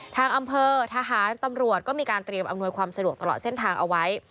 ทางอำเภอทหารตำรวจก็มีการเตรียมอำนวยความสะดวกตลอดเส้นทางเอาไว้